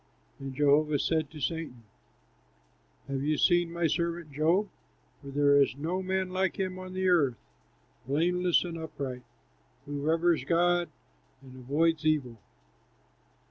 And Jehovah said to Satan, "Have you seen my servant Job? For there is no man like him on the earth, blameless and upright, who reveres God and avoids evil."